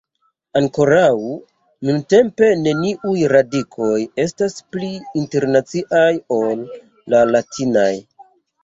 Ankoraŭ nuntempe, neniuj radikoj estas pli internaciaj ol la latinaj.